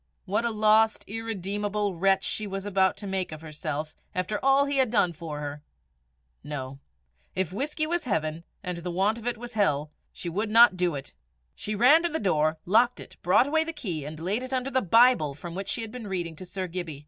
What a lost, irredeemable wretch was she about to make of herself after all he had done for her! No; if whisky was heaven, and the want of it was hell, she would not do it! She ran to the door, locked it, brought away the key, and laid it under the Bible from which she had been reading to Sir Gibbie.